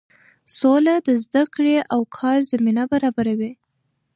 سوله د زده کړې او کار زمینه برابروي.